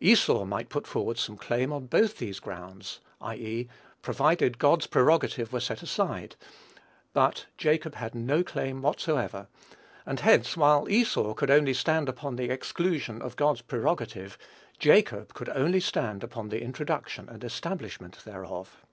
Esau might put forward some claim on both these grounds; i. e., provided God's prerogative were set aside; but Jacob had no claim whatsoever; and hence, while Esau could only stand upon the exclusion of God's prerogative, Jacob could only stand upon the introduction and establishment thereof.